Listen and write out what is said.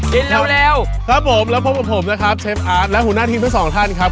เร็วครับผมแล้วพบกับผมนะครับเชฟอาร์ตและหัวหน้าทีมทั้งสองท่านครับ